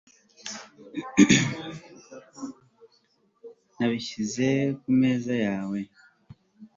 nabishyize kumeza yawe